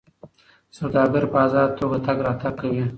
سوداګر په ازاده توګه تګ راتګ کوي.